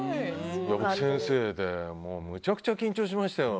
先生でめちゃくちゃ緊張しましたよ。